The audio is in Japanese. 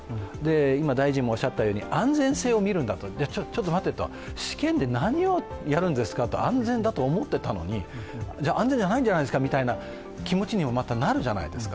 今、大臣もおっしゃったように安全性を見るんだと、ちょっと待てと、試験で何をやるんですかと安全だと思ってたのに安全じゃないんじゃないですかという気持ちにもなるじゃないですか。